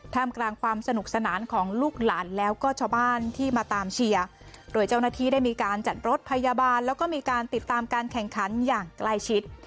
กลางความสนุกสนานของลูกหลานแล้วก็ชาวบ้านที่มาตามเชียร์โดยเจ้าหน้าที่ได้มีการจัดรถพยาบาลแล้วก็มีการติดตามการแข่งขันอย่างใกล้ชิด